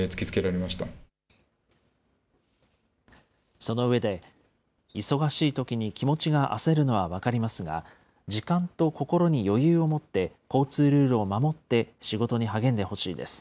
その上で、忙しいときに気持ちが焦るのは分かりますが、時間と心に余裕を持って、交通ルールを守って仕事に励んでほしいです。